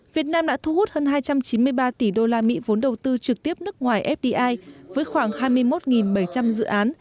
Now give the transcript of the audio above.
việt nam đã thu hút hơn hai trăm chín mươi ba tỷ usd vốn đầu tư trực tiếp nước ngoài fdi với khoảng hai mươi một bảy trăm linh dự án